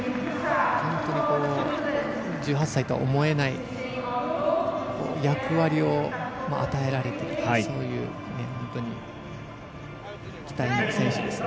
本当に１８歳とは思えない役割を与えられてる本当に期待の選手ですね。